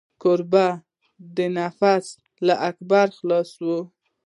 کوربه د نفس له کبره خلاص وي.